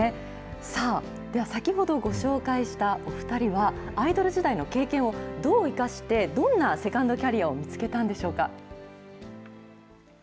さあ、では先ほどご紹介したお２人は、アイドル時代の経験をどう生かして、どんなセカンドキャリアを見つけたんでしょうか。